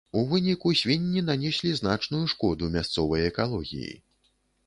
У выніку свінні нанеслі значную шкоду мясцовай экалогіі.